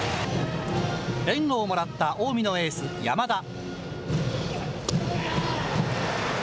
援護をもらった近江のエース、山田。